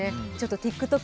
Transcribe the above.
ＴｉｋＴｏｋ